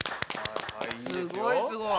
すごいすごい。